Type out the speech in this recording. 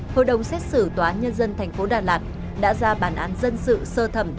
hội đồng xét xử tòa nhân dân thành phố đà lạt đã ra bản án dân sự sơ thẩm